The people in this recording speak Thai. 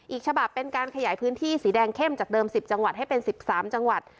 อีกฉบับเป็นการขยายพื้นที่สีแดงเข้มจากเดิม๑๐จังหวัดให้เป็น๑๓จังหวัด